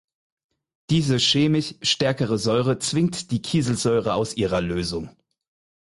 Diese chemisch stärkere Säure zwingt die Kieselsäure aus ihrer Lösung.